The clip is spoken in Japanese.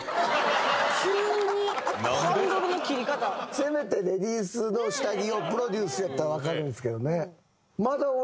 せめてレディースの下着をプロデュースやったらわかるんですけどね。